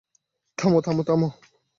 থামো, থামো, থামো।